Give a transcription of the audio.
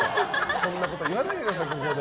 そんなこと言わないでください。